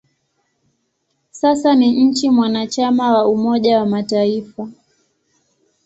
Sasa ni nchi mwanachama wa Umoja wa Mataifa.